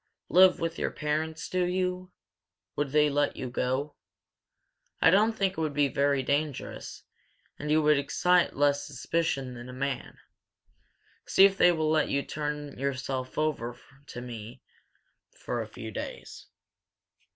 "Live with your parents, do you? Would they let you go? I don't think it would be very dangerous, and you would excite less suspicion than a man. See if they will let you turn yourself over to me for a few days.